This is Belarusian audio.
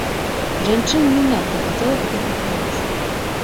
Жанчына не надта хацела фатаграфавацца.